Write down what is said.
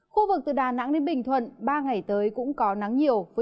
khu vực từ đà nẵng đến bình thuận ba ngày tới cũng có nắng nhiều